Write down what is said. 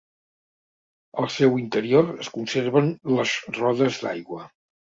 Al seu interior es conserven les rodes d'aigua.